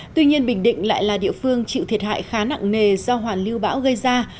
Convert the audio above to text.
tuy nhiên bình định lại là địa phương chịu thiệt hại khá nặng nề do hoàn lưu bão gây ra